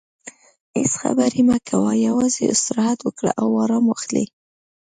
هیڅ خبرې مه کوه، یوازې استراحت وکړه او ارام واخلې.